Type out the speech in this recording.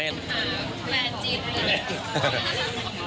แฟนจีน